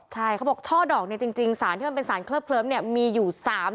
ใช่เขาบอกช่อดอกเนี่ยจริงสารที่มันเป็นสารเคลิบเนี่ยมีอยู่๓